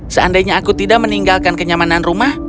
seandainya aku tidak meninggalkan kenyamanan rumah